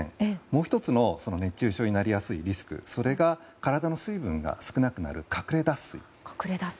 もう１つ熱中症になりやすいリスクが体の水分が少なくなる隠れ脱水。